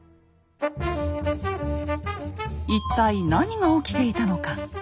一体何が起きていたのか。